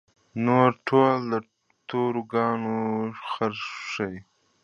نور ټول د تورو کاڼو غر شي.